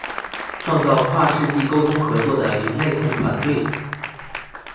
創造跨世代溝通合作的零內鬨團隊